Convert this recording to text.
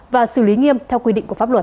và xử lý nghiêm theo quy định của pháp luật